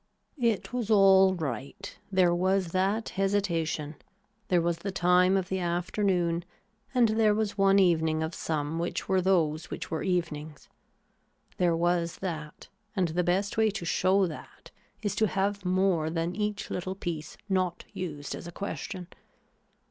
It was all right, there was that hesitation, there was the time of the afternoon and there was one evening of some which were those which were evenings. There was that and the best way to show that is to have more than each little piece not used as a question.